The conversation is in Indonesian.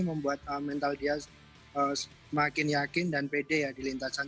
membuat mental dia semakin yakin dan pede ya di lintasan